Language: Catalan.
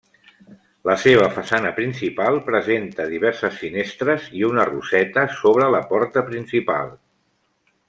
La seva façana principal presenta diverses finestres i una roseta sobre la porta principal.